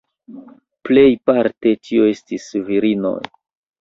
Plejparte tio estis virinoj.